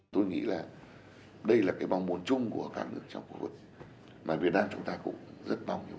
tôi nghĩ là đây là cái mong muốn chung của các nước trong quốc hội